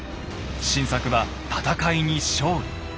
晋作は戦いに勝利。